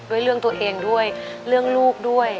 ด้วยเรื่องตัวเองด้วยเรื่องลูกด้วย